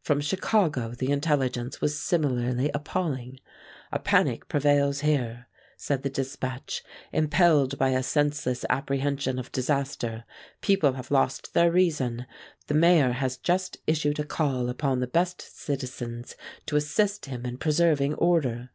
From Chicago the intelligence was similarly appalling. "A panic prevails here," said the dispatch. "Impelled by a senseless apprehension of disaster, people have lost their reason. The Mayor has just issued a call upon the best citizens to assist him in preserving order."